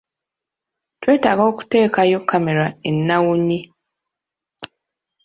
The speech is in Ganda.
Twetaaga okuteekayo kamera ennawunyi.